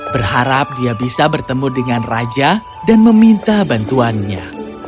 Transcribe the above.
berharap dia bisa bertemu dengan raja dan meminta bantuannya